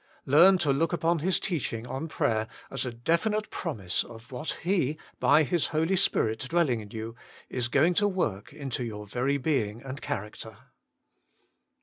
Learn to look upon His teaching on prayer as a definite promise of what He, by His Holy Spirit dwelling in you, is going to work into your very being and character.